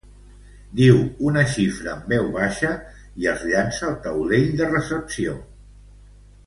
Diu una xifra en veu baixa i els llança al taulell de recepció.